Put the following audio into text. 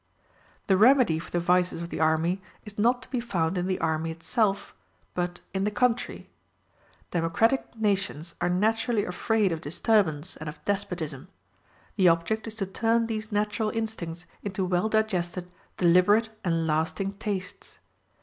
The remedy for the vices of the army is not to be found in the army itself, but in the country. Democratic nations are naturally afraid of disturbance and of despotism; the object is to turn these natural instincts into well digested, deliberate, and lasting tastes.